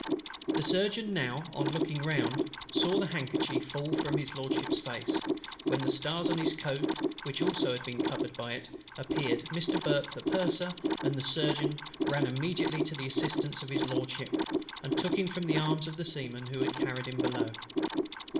The Surgeon now, on looking round, saw the handkerchief fall from His LORDSHIP's face; when the stars on his coat, which also had been covered by it, appeared. Mr. BURKE the Purser, and the Surgeon, ran immediately to the assistance of His LORDSHIP, and took him from the arms of the Seamen who had carried him below.